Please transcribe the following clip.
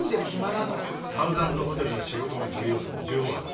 サウザンズホテルの仕事の重要さもじゅうぶん分かってる。